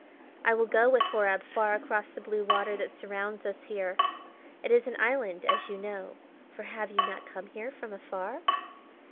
"I will go with Horab far across the blue water that surrounds us here. It is an island, as you know, for have you not come here from afar?"